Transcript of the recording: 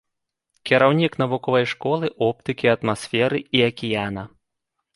Кіраўнік навуковай школы оптыкі атмасферы і акіяна.